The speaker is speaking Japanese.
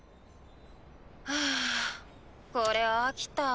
はぁこれ飽きた。